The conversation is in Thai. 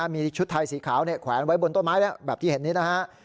มีชุดไทยสีขาวแขวนไว้บนต้นไม้แล้วแบบที่เห็นนี้นะฮะ